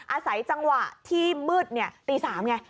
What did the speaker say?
อาศัยจังหวะที่มืดตี๓ไง